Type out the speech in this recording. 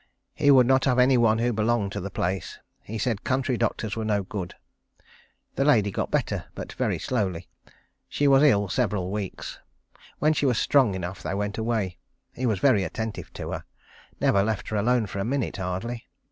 He would not have any one who belonged to the place. He said country doctors were no good. The lady got better, but very slowly. She was ill several weeks. When she was strong enough they went away. He was very attentive to her. Never left her alone for a minute hardly.